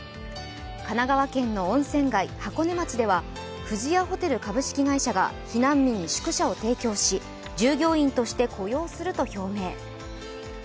神奈川県の温泉街、箱根町では富士屋ホテル株式会社が避難民に宿舎を提供し従業員として雇用すると表明。